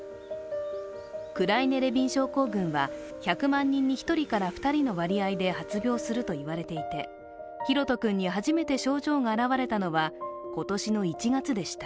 クライネ・レビン症候群は１００万人に１人から２人の割合で発病するといわれていてひろと君に初めて症状が現れたのは今年の１月でした。